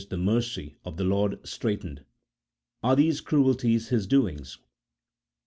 the mercy] of the Lord straitened ? Are these cruelties His doings ?